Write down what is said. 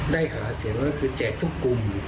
หาเสียงก็คือแจกทุกกลุ่ม